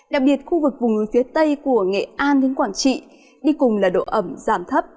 đặc biệt khu vực vùng núi phía tây của nghệ an đến quảng trị đi cùng là độ ẩm giảm thấp